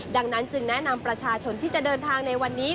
ดังนั้นจึงแนะนำประชาชนที่จะเดินทางในวันนี้